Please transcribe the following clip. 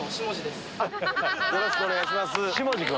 よろしくお願いします。